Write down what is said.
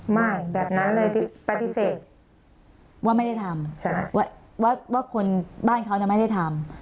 ไม่แบบนั้นเลยปฏิเสธว่าไม่ได้ทำว่าคนบ้านเขาไม่ได้ทำ